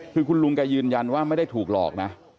คือคุณลุงแกยืนยันว่าไม่ได้ถูกหลอกนะ